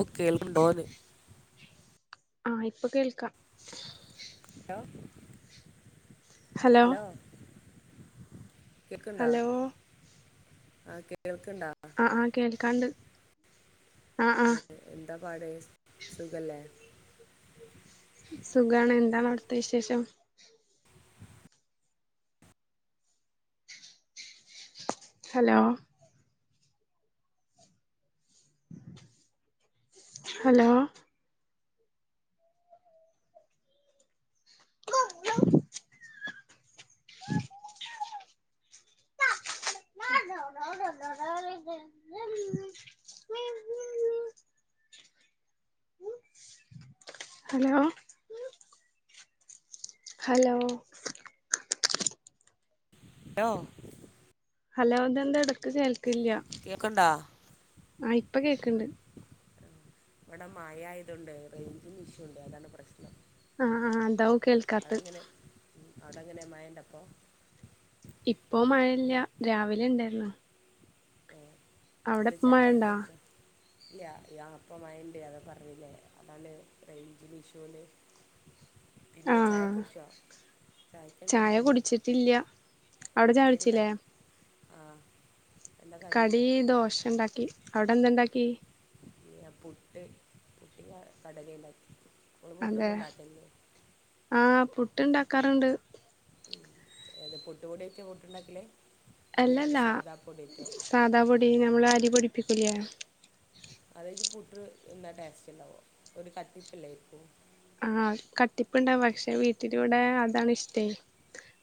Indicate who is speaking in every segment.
Speaker 1: ഓ കേൾക്ക്ണ്ടോന്ന്
Speaker 2: ആഹ് ഇപ്പ കേൾക്കാം
Speaker 1: ഹലോ ഹലോ കേക്ക്ണ്ടോ
Speaker 2: ഹലോ
Speaker 1: ആ കേൾക്ക്ണ്ടോ
Speaker 2: ആ കേൾക്കാണ്ട് ആഹ് ആഹ്
Speaker 1: ഉം എന്താ പാട് സുഖല്ലേ
Speaker 2: സുഖാണ് എന്താണ് അവ്ട്ത്തെ വിശേഷം ഹലോ ഹലോ ഉ ഹലോ ഹലോ
Speaker 1: ലോ
Speaker 2: ഹലോ ഇതെന്താ എടക്ക് കേൾക്കില്ല
Speaker 1: കേക്ക്ണ്ടോ
Speaker 2: ആ ഇപ്പ കേക്ക്ണ്ട്
Speaker 1: ഇവടെ മയായതോണ്ട് റേഞ്ചിന് ഇഷ്യുണ്ട് അതാണ് പ്രശ്നം
Speaker 2: ആ ആ അതാവും
Speaker 1: അവിടെ
Speaker 2: കേൾക്കാത്തത്
Speaker 1: അങ്ങനെ ഉം അവിടെങ്ങനെ മയണ്ടൊപ്പൊ
Speaker 2: ഇപ്പോ മഴല്ല രാവിലെ ണ്ടായിര്ന്നു
Speaker 1: ആ എന്ത
Speaker 2: മഴണ്ടാ
Speaker 1: ചായൊക്കുട്ച്ചോ ഇല്ല ആ പ്പ മഴണ്ട് അത പർഞ്ഞില്ലേ അതാണ് റേഞ്ച്ന്റെ ഇഷ്യുണ്ട്
Speaker 2: [inaudible]
Speaker 1: പിന്നെ
Speaker 2: ആഹ്
Speaker 1: ചായക്കുട്ച്ചോ ചായക്കന്തേനി കടി
Speaker 2: ട്ടില്ല
Speaker 1: എന്തേന് കടി ആ
Speaker 2: കടി ദോശണ്ടാക്കി അവടെന്താണ്ടാക്കി
Speaker 1: പിന്ന പുട്ട് പുട്ട് ഞാൻ കടലെണ്ടാക്കി ങ്ങള് പുട്ടൊന്നും ണ്ടാക്കലില്ലേ
Speaker 2: ആ പുട്ട് ണ്ടാക്കാറ്ണ്ട്
Speaker 1: ഏത പുട്ട്പൊടിയേറ്റാ പുട്ട് ണ്ടാക്കല് അല്ലെ സാധാപ്പൊട്യേറ്റോ
Speaker 2: സാദാ പൊടി നമ്മൾ അരി പൊടിപ്പിക്കൂലെ
Speaker 1: അതേയ്റ്റ് പുട്ട് ന്നാ ടേസ്റ്റ്ണ്ടാവോ ഒരു കട്ടിപ്പല്ലേയ്ക്കും
Speaker 2: ആ കട്ടിപ്പിണ്ടാവും പക്ഷെ വീട്ടില്വ്ടെ അതാണ് ഇഷ്ടേ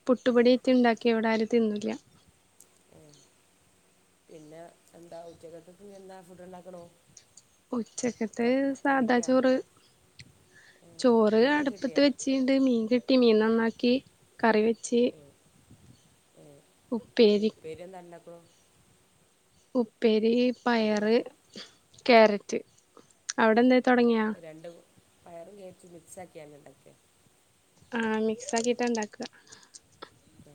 Speaker 2: പുട്ട്
Speaker 1: ഏ,
Speaker 2: പൊട്യേറ്റ്ണ്ടാക്ക്യ ഇവടാരും തിന്നൂല്ല
Speaker 1: ആ പിന്നെ എന്താ ഉച്ചക്കത്തെ സ്ഥിതി എന്താ ഫുഡ്ണ്ടാക്കണോ
Speaker 2: ഉച്ചക്കത്തത് സാദാ ചോറ്
Speaker 1: ഏ,
Speaker 2: ചോറ്
Speaker 1: മീനൊക്കെ
Speaker 2: അടുപ്പത്ത്
Speaker 1: കിട്ടിയാ
Speaker 2: വെച്ച് [unintelligible] മീൻ കിട്ടി മീൻ നന്നാക്കി കറി വെ
Speaker 1: ഏ ഏ ഉപ്പേരി എന്താ ണ്ടാകുണു
Speaker 2: ഉപ്പേരി
Speaker 1: ഉപ്പേരി
Speaker 2: പയറ്,
Speaker 1: ക-
Speaker 2: കേരറ്റ് അവിടെ എന്തേ തൊടങ്യോ
Speaker 1: രണ്ടും പയറും കേരറ്റും മിക്സാക്ക്യാണ്ട് ണ്ടാക്ക്യ
Speaker 2: ആ മിക്സാക്കിറ്റാണ്ടാക്ക
Speaker 1: അഹ്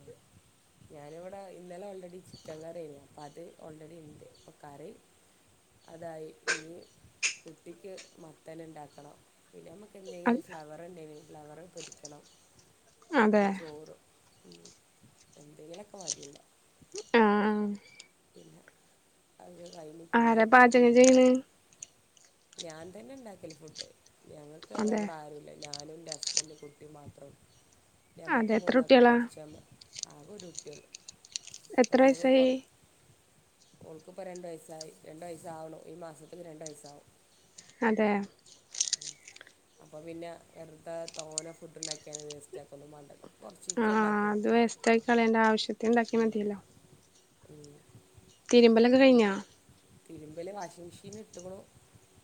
Speaker 1: ഞാനിവിടെ ഇന്നലെ ഓൾറെഡി ചിക്കൻ കറ്യേനു അപ്പ അത് ഓൾറെഡി ണ്ട് ഇപ്പൊക്കറി. അതായി ഇഞ് കുട്ടിക്ക് മത്തൻ ണ്ടാക്കണം. പിന്നെ നമ്മുക്ക് എന്തെങ്കിലും ഫ്ലവർണ്ടേഞ് ഫ്ലവർ പൊരിക്കണം
Speaker 2: അതെ
Speaker 1: പിന്നെ ചോറും. ഉം എന്തെങ്കിലൊക്കെ മതില്ലോ.
Speaker 2: ആഹ് ആഹ്
Speaker 1: പിന്നെ അത് കഴിഞ്ഞ് പിന്നെ
Speaker 2: ആരാ പാചകം
Speaker 1: തിരുമ്പാ.
Speaker 2: ചെയ്യണ്
Speaker 1: ഞാൻ തന്നെ ണ്ടാക്കല് ഫുഡ് ഞങ്ങക്കറ്യാ
Speaker 2: അതെ
Speaker 1: ഇവിടെ ആരുല്ല. ഞാനും ന്റെ ഹസ്ബൻഡും കുട്ടിം മാത്രൊള്ളൂ
Speaker 2: അതെ
Speaker 1: ഞമ്മക്ക്
Speaker 2: എത്ര
Speaker 1: മൂന്നാക്കു
Speaker 2: കുട്ടികളാ
Speaker 1: കൊർച്ച ആകെ ഒരുട്ടിള്ളൂ.
Speaker 2: എത്രവയസായി?
Speaker 1: ഉൾക്കിപ്പോൾ രണ്ട് വയസ്സായി രണ്ട് വയസ്സാവുണു ഈ മാസത്തക്ക് രണ്ട് വയസ്സാവും.
Speaker 2: അതെ
Speaker 1: അപ്പോപിന്നെ വെറുതെ തോന ഫുഡ് ഉണ്ടാക്കിയാണ് വേസ്റ്റ ആക്കൊന്നും മാണ്ടല്ല.
Speaker 2: അഹ് ആഹ് അത് വാസ്റ്റ്യി കളയണ്ട ആവശ്യത്തിന് ണ്ടാക്കിയ
Speaker 1: ഉം.
Speaker 2: മതിയല്ലോ.
Speaker 1: ഉം
Speaker 2: തിരുമ്പലൊക്കെ കഴിഞ്ഞാ
Speaker 1: തിര്മ്പല് വാഷിംങ്മിഷീന് ഇട്ട്ക്ണു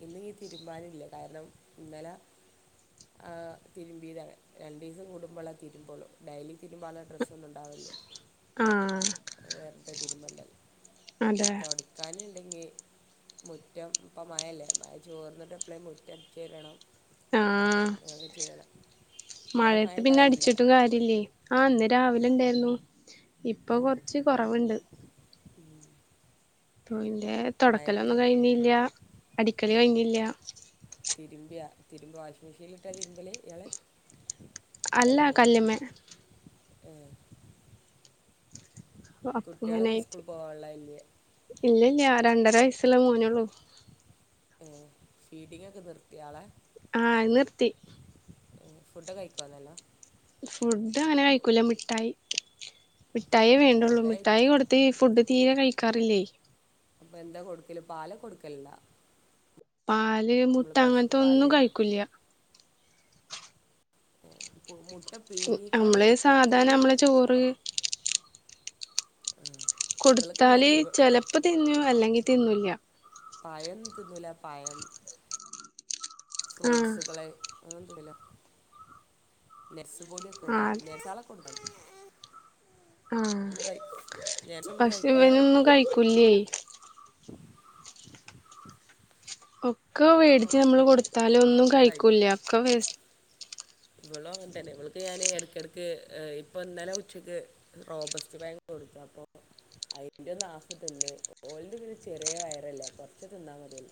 Speaker 1: ഇന്നീതിരുമ്പാനില്ല. കാരണംഇന്നല ആഹ് തിരുമ്പിയതാണ് രണ്ടീസം കൂടുമ്പോളാത്തിരുമ്പോളൂ ഡെയ്ലി തിരുമ്പാല്ല ഡ്രസ്സൊന്നുംണ്ടാവേല്ല.
Speaker 2: ആഹ്
Speaker 1: വെറ്തെ തിര്ബെണ്ടേ
Speaker 2: അതെ
Speaker 1: തൊട്‌ ക്കാന്ണ്ടെങ്കി മുറ്റംഇപ്പം മഴല്ലേ മഴ ചോർന്നിട്ട്എപ്പളേം മു റ്റട്ചേരണം
Speaker 2: ആഹ്
Speaker 1: [unintelligible] ചെയ്യണം. അവിടെ മഴ
Speaker 2: മഴയത്ത്
Speaker 1: ഉണ്ടാവില്ല
Speaker 2: പിന്നെഅടിച്ചിട്ടും കാര്യല്ലേയ് ആഹ് ഇന്ന് രാവിലെഇണ്ടായിരുന്നു. ഇപ്പൊകൊർച്ച് കൊറവ്ണ്ട്.
Speaker 1: ഉം
Speaker 2: പൊ യിന്റെ തൊടക്കലൊന്നും കഴിഞ്ഞില്ല അടിക്കല്കഴിഞ്ഞില്ല
Speaker 1: തിരുമ്പിയ തിരുമ്പവാഷിംങ് മിഷീനില്ട്ടാ തിരുമ്പല്ഇയാൾ.
Speaker 2: അല്ല
Speaker 1: കല്ലുമ്മല
Speaker 2: കല്ലുമ്മേ
Speaker 1: ഏഹ് കുട്ടിയാൾന്നു സ്കൂൾക്ക് പോആൻള്ളെല്ലേ.
Speaker 2: ഇല്ലല്ലാ രണ്ടരവയസ്സ്ള്ള മോനേള്ളൂ.
Speaker 1: ഏഹ് ഫീഡിങ്ഒക്കെ നിർത്തിയോ ആളെ?
Speaker 2: ആഹ് നിർത്തി.
Speaker 1: ഏഹ് ഫുഡോകെ കഴിക്കോന്നല്ലോം.
Speaker 2: ഫുഡങ്ങനെ കഴിക്കൂല മിഠായി മിഠായേവേണ്ടൊള്ളൂ
Speaker 1: മുട്ട
Speaker 2: മിഠായികൊട് ട്ടി ഫുഡ്തീരെ കഴിക്കാറില്ലേയ്.
Speaker 1: അപ്പൊ എന്താ കൊടുക്കല് പാല കൊടുക്കലണ്ട?
Speaker 2: പാല് മുട്ട അങ്ങനത്തെന്നും
Speaker 1: പശുപ്പാല്
Speaker 2: കഴിക്കുല്യ.
Speaker 1: മുട്ടപിയ്ങ്ങിക്കാണ്ട്
Speaker 2: നമ്മള്
Speaker 1: കഴികൂല
Speaker 2: സാധാരണ
Speaker 1: മറ്റൊര്
Speaker 2: നമ്മളെ ചോറ്
Speaker 1: ആഹ്
Speaker 2: കൊടുത്താല് ചെലപ്പോതിന്നു അല്ലെങ്കിതിന്നുല്ല.
Speaker 1: പയംതിന്നൂല പഴം
Speaker 2: ആഹ്
Speaker 1: ഫ്രൂട്ട്സുകള് [unintelligible] നെക്സ്പൊടിയൊക്കെ ഇടാം
Speaker 2: ആഹ്
Speaker 1: [unintelligible]
Speaker 2: ആഹ്
Speaker 1: നട്സൊന്നും
Speaker 2: പക്ഷെ
Speaker 1: കഴിക്കൂല
Speaker 2: ഇവനൊന്നും കഴിക്കൂല്ലേയ്.
Speaker 1: ഇവളും
Speaker 2: ഒക്കെവേടിച്ച്
Speaker 1: അങ്ങനെ
Speaker 2: നമ്മള്
Speaker 1: തന്നെയാണ് ഇവളും
Speaker 2: കൊടുത്താലൊന്നും
Speaker 1: ഒന്നും
Speaker 2: കഴിക്കൂല്ല ഒക്കെവേസ്
Speaker 1: ഇവളുംഅങ്ങൻതെന്നെ ഇവൾക്ക് ഞാന് എടക്ക്ടെക്ക് ഇപ്പൊഇന്നലെ ഉച്ചക്ക് റോബസ്റ്റ്പയം കൊട്ത്ത്അപ്പൊ അയിന്റോന്ന്നാഫ് തിന്ന് ഓൾത്പിന്നെ ചെറിയവയറല്ലേ കൊർച്ച് തിന്നാമതീല്ലോ.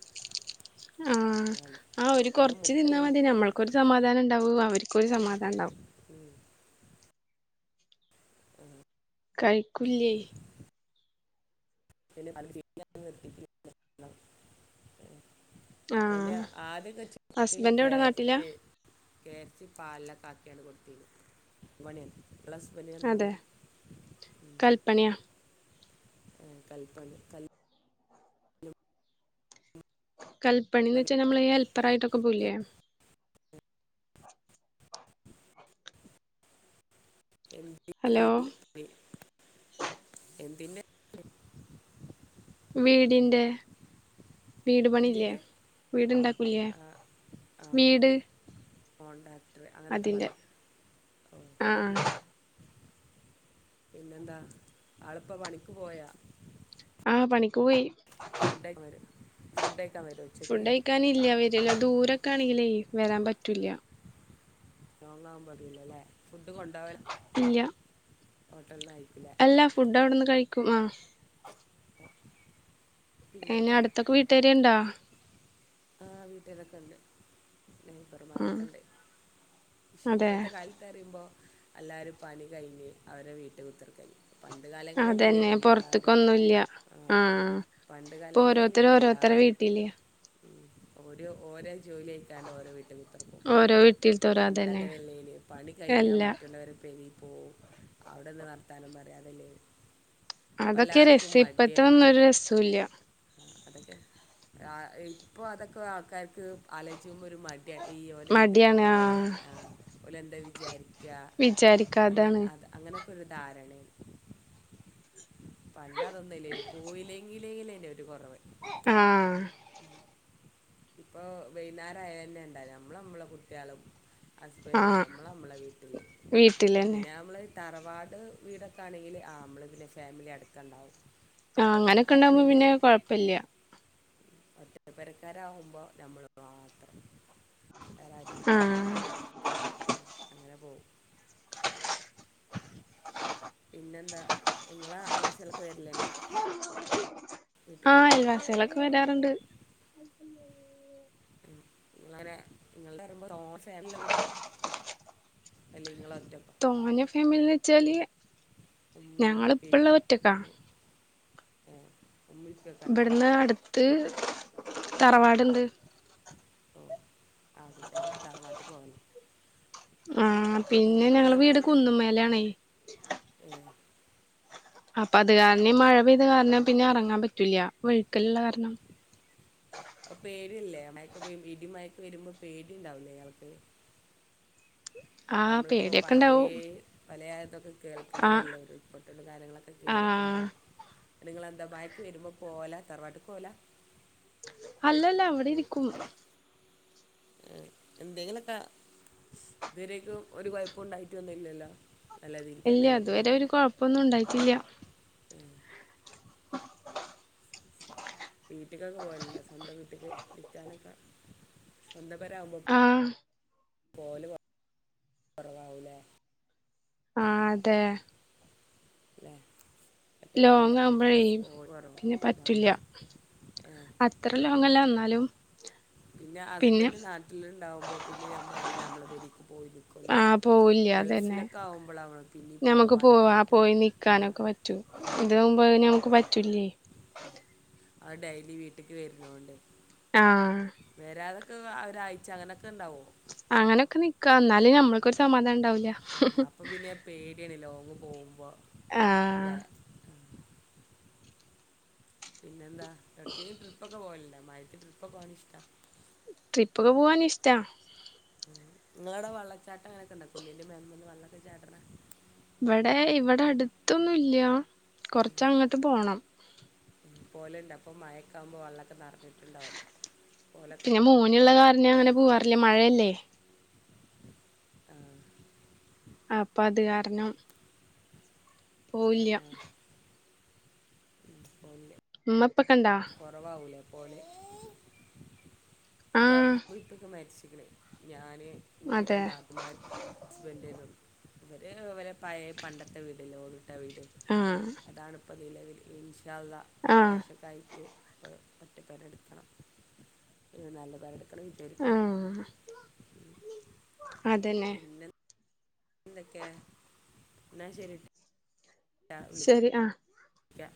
Speaker 2: ആഹ് ആഒര് കൊർച്ച്
Speaker 1: മുട്ട പിങ്-
Speaker 2: തിന്നാമതി ഞമ്മൾക്കൊരു സമാധാനംഇണ്ടാവും അവര്
Speaker 1: ഉം ഉം [unintelligible]
Speaker 2: കൈക്കുല്ല്യേയ്.
Speaker 1: പി [unintelligible] എന്റെ
Speaker 2: ആഹ്
Speaker 1: ആദ്യയൊക്കെ ചെറുതില്
Speaker 2: ഹസ്ബൻഡ് എവിടെ നാട്ടിലാ
Speaker 1: ക്യാരെറ്റ് കേരറ്റ് പാലോക്കെ ആക്കിയാണ്ട് കൊടുതീനി ഇങ്ങളെ ഹസ്ബെന്റിന് എന്താപണി.
Speaker 2: അതെ കൽപ്പണിയാ
Speaker 1: ഉം കൽപണി കൽ
Speaker 2: കൽപ്പണിന്ന്
Speaker 1: പണി
Speaker 2: വെച്ചാൽ ഞമ്മളീ ഹെൽപ്പെറായിട്ടൊക്കെ പോവൂലേ
Speaker 1: എന്തി
Speaker 2: ഹലോ
Speaker 1: [unintelligible] എന്തിന്റെ
Speaker 2: വീടിന്റെ വീട്പണില്ലേ
Speaker 1: എന്തിൻ്റെ
Speaker 2: വീട്ണ്ടാക്കൂല്ലേ വീട്.
Speaker 1: കോൺണ്ടാക്ക്ട്ടർ അങ്ങനെയൊക്കെ
Speaker 2: അതിന്റെ
Speaker 1: പറയും ഓഹ്
Speaker 2: ആഹ്
Speaker 1: പിന്നെന്താ ആൾപ്പോ പണിക്ക് പോയാ?
Speaker 2: ആഹ് പണിക്ക്പോയി.
Speaker 1: ഫുഡെയ്ക്കാൻവെരോ ഫുഡ് കയ്ക്കാൻ വെരോ ഉച്ചക്ക്
Speaker 2: ഫുഡ് കഴിക്കാനില്ല വരില്ല ദൂരൊക്കെ ആണെങ്കിലേ വരാൻ പറ്റൂല്ല
Speaker 1: ലോങ്ങവുമ്പോ വരില്ലല്ലേ ഫുഡ് കൊണ്ടാവ
Speaker 2: ഇല്ല
Speaker 1: ഹോട്ടലന്ന കയിക്കൂലേ
Speaker 2: അല്ല ഫുഡ് അവിടുന്ന് കഴിക്കും ഉം അയിന്
Speaker 1: പിന്നെന്താ
Speaker 2: അടുത്തൊക്കെ വീട്ടുകാരുണ്ടോ
Speaker 1: ആഹ് വീട്ടിലൊക്കെ ഉണ്ട്
Speaker 2: ആഹ്
Speaker 1: നൈബർമാരൊക്കെണ്ട് പക്ഷെ
Speaker 2: അതെ
Speaker 1: ഇപ്പത്തെ കാല പറിയുമ്പോൾ എല്ലാവരും പണി കഴിഞ്ഞ് അവരുടെ വീട്ടി കുത്തിർക്കാ പണ്ട് കാലങ്ങളിലല്ലേനു എല്ലാരും
Speaker 2: ന്നൂല്ല്യ
Speaker 1: ഉം പണ്ട് കാലങ്ങളിലെന്നു
Speaker 2: ഓരോരുത്തരെ
Speaker 1: എല്ലാരും
Speaker 2: വീട്ടില്
Speaker 1: ഉം ഓര് ഓരെ ജോലി കൈ ഞണ്ട് ഓരെ വീട്ടി കുത്തിർക്കും
Speaker 2: ഓരോ വീട്ടിൽത്തോരോ അതന്നെ
Speaker 1: പണ്ടങ്ങനെയല്ലേനു പണി കഴിഞ്ഞാൽ
Speaker 2: അല്ല
Speaker 1: മറ്റുള്ളവരെ പെരി പോവും അവിടെന്ന് വർത്താനും പറയും അതല്ലേ
Speaker 2: അതൊക്കെ രസം ഇപ്പത്തെ ഒന്നും ഒരു രസുല്ല
Speaker 1: അതൊക്കെ ഇപ്പൊ അതൊക്കെ ആൾക്കാർക്ക് ആലോചിച്ചുമ്പോ ഒരു മടി ഈ ഓലെ വീട്ടിൽ
Speaker 2: മടിയാണ്
Speaker 1: പോവേ
Speaker 2: ആഹ്
Speaker 1: ഓലെന്താ വിചാരി ക്കാ അങ്ങനെ
Speaker 2: വിചാരിക്കാതാണ്
Speaker 1: അത് അങ്ങനെയൊക്കെ ഒരു ധാരണെണ് പണ്ട് അതൊന്നുംല്ലേനു പോയില്ലെങ്കിലേനു ഒരു കുറവ്
Speaker 2: ആഹ്
Speaker 1: ഉം ഇപ്പൊ വെയ്ന്നാരായന്നെണ്ടല്ലോ അമ്മളും അമ്മളെ കുട്ടിയാളും ഹസ്ബൻഡും
Speaker 2: ആഹ്
Speaker 1: നമ്മൾ നമ്മളെ വീട്ടിൽ
Speaker 2: വീട്ടിലന്നെ
Speaker 1: പിന്നെ നമ്മൾ തറവാട് വീടൊക്കെ ആണെങ്കിൽ ആ നമ്മള പിന്നെ ഫാമിലി അടക്കണ്ടാവും ഒറ്റ
Speaker 2: ആഹ് അങ്ങനൊക്കെ ഉണ്ടാവുമ്പോ പിന്നെ
Speaker 1: പെരക്കാരാണെങ്കില്
Speaker 2: കൊഴപ്പല്ല്യ
Speaker 1: ഒറ്റ പെരക്കാരാവുമ്പോ നമ്മൾ മാത്രം ഏതായാലും
Speaker 2: ആഹ്
Speaker 1: അങ്ങനെ പോവുന്നു പിന്നെന്താ നിങ്ങള അയൽവാസിലൊക്കെ വരലിണ്ടാ
Speaker 2: ആഹ് അയൽവാസികളൊക്കെ വരാറുണ്ട്
Speaker 1: നിങ്ങളെങ്ങനെ നിങ്ങളുടെ [unintelligible] കുടുംബ അല്ലെ ഇങ്ങള് ഒറ്റ
Speaker 2: തോന ഫാമിലിന്ന് വെച്ചാല്
Speaker 1: ഉമ്മയും
Speaker 2: ഞങ്ങള് ഇപ്പള്ള ഒറ്റക്കാ
Speaker 1: ആഹ് ഉമ്മി
Speaker 2: ഇവിടുന്ന് അടുത്ത് തറവാടുണ്ട്
Speaker 1: ഓ അവിടെന്ന് അപ്പൊ തറവാട്ടക്ക് പോകാലോ
Speaker 2: ആഹ് പിന്നെ ഞങ്ങള വീട് കുന്നുമേലെ ആണേ
Speaker 1: ഉം
Speaker 2: അപ്പൊ അത് കാരണം മഴ പെയ്ത കാരണം പിന്നെ ഇറങ്ങാൻ പറ്റൂല വെഴുക്കലുള്ള കാരണം
Speaker 1: അപ്പ പേടില്ലേ മയക്ക് ഇടി മയക്ക് വരുമ്പോ പേടിണ്ടാവില്ലേ ഇയാൾക്ക്
Speaker 2: ആഹ് പേടിയൊക്കെ ഇണ്ടാവും
Speaker 1: പല ആലത്തൊക്കെ
Speaker 2: ആഹ്
Speaker 1: കേൾക്കണതല്ലേ ഉൾപൊട്ടലും കാര്യങ്ങളൊക്കെ
Speaker 2: ആഹ്
Speaker 1: കേൾക്കുമ്പോ നിങ്ങളെന്താ ബാക്ക് വരുമ്പോൾ പോകലാ തറവാട്ട്ക്ക് പോകലാ
Speaker 2: അല്ലല്ല അവിടെ ഇരിക്കും
Speaker 1: ഏഹ് എന്തെങ്ങനൊക്ക ഇത് വരേക്കും ഒരു കുഴപ്പം ഉണ്ടായിട്ടൊന്നും ഇല്ലല്ലോ നല്ല രീതിയിൽ
Speaker 2: ഇല്ല ഇതുവരെ ഒരു കൊഴപ്പൊന്നും ഉണ്ടായിട്ടില്ല
Speaker 1: മ്
Speaker 2: [inaudible]
Speaker 1: വീട്ടിക്കൊക്കെ പോയലല്ല സ്വന്തം വീട്ട്ക്ക് നിൽക്കാനൊക്കെ സ്വന്തം പെര ആവുമ്പോ
Speaker 2: ആഹ്
Speaker 1: പോവല കൊറവാവൂലേ
Speaker 2: ആഹ് അതെ
Speaker 1: ല്ലേ
Speaker 2: ലോങ് ആമ്പോഴേ
Speaker 1: കുറവും
Speaker 2: പിന്നെ
Speaker 1: ലോങ്ങ
Speaker 2: പറ്റൂല്ല അത്ര ലോങ്ങല്ല എന്നാലും
Speaker 1: പിന്നെ ഹസ്ബന്റ് നാട്ടിലുണ്ടാവുമ്പോ പിന്നെ നമ്മള് അങ്ങനെ നമ്മളെ പെരീക്ക് പോയത് ന്നും
Speaker 2: ആഹ് പോവില്ല അതന്നെ
Speaker 1: ഗൾഫിലൊക്കെ ആകുമ്പോളാകുള്ളു പിന്നീ പോവാനൊക്കെ പറ്റുള്ളൂ
Speaker 2: റ്റു
Speaker 1: ആ.
Speaker 2: ഇതാമ്പോ നമുക്ക് പറ്റൂലേ
Speaker 1: അത് ഡെയിലി വീട്ടേക്ക് വരുന്നോണ്ട്
Speaker 2: അഹ്
Speaker 1: വേരാതൊക്കെ ഒരാഴ്ച അങ്ങനൊക്കെ ഉണ്ടാവോ
Speaker 2: അങ്ങനെക്കെ നിക്ക എന്നാല് നമ്മക്കൊരു സമാധാനം ഉണ്ടാവൂല്ല
Speaker 1: ആ അപ്പൊ പിന്നെ പേടിയാണ് ലോങ്ങ് പോകുമ്പോ
Speaker 2: ആഹ്
Speaker 1: അല്ലേ ആ. പിന്നെന്ത എവിടക്കെങ്കിലും ട്രിപ്പൊക്കെ പോകലിണ്ടോ മഴത് ട്രിപ്പ്ക്കെ പോവാൻ ഇഷ്ട
Speaker 2: ട്രിപ്പ്ക്കെ പോവാൻ ഇഷ്ടാ
Speaker 1: ഉം നിങ്ങളട വെള്ളച്ചാട്ടം അങ്ങനെയൊക്കെ ഉണ്ട കുന്നിന്റെ മേലാമൽ വെള്ളക്കെ ചാടണെ
Speaker 2: ഇവിടെ ഇവിടെ അടുത്തൊന്നുല്ല കൊറച്ച് അങ്ങട്ട് പോണം
Speaker 1: പോലെണ്ട് അപ്പൊ മഴക്കാകുമ്പോ വെള്ളക്കെ നിറഞ്ഞിട്ടുണ്ടാവല്ലോ പോലെ
Speaker 2: പിന്നെ മോനുള്ള കാരന അങ്ങനെ പോവാറില്ല മഴല്ലേ
Speaker 1: ആ
Speaker 2: ആഹ് അപ്പ അത് കാരണം
Speaker 1: ആ,
Speaker 2: പോവില്ല
Speaker 1: ആ പോവീല്ല്യ
Speaker 2: ഇമ്മ ഇപ്പക്ക്ണ്ടാ
Speaker 1: കൊറവാവൂലേ പോലെ ഇല്ല
Speaker 2: ആഹ്
Speaker 1: ഉമ്മെ ഇപ്പേക്ക മരിച്ചിക്കണേ ഞാന് എനിക്ക്
Speaker 2: അതെ
Speaker 1: രണ്ട് നാത്തൂമാര് ഹസ്ബൻഡേനു ഇവർ ഇവരെ പഴേ പണ്ടത്തെ വീടില്ലെ ഓടിട്ട വീട്
Speaker 2: അഹ്
Speaker 1: ഇതാണ് ഇപ്പൊ നിലവില് ഇന്ശാല്ലാഹ്
Speaker 2: ആഹ്
Speaker 1: കാശൊക്കായി റ്റ് ഒറ്റക്കൊര് എടുക്കണം ഒരു നല്ല പേരെ എടു വിചാരിക്കുണു
Speaker 2: ആഹ്
Speaker 1: മ്
Speaker 2: അതന്നെ
Speaker 1: പിന്നെ എന്തൊക്കെ എന്നാ ശരി
Speaker 2: ശരി അഹ്
Speaker 1: ക്കാ